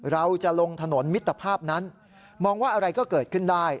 เราจะลงถนนมิตรภาพนั้นมองว่าอะไรก็เกิดขึ้นได้